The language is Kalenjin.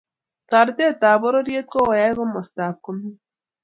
toretet tab bororiet koyae komostab komie